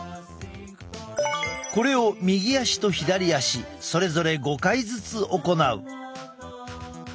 これを右足と左足それぞれ５回ずつ行う。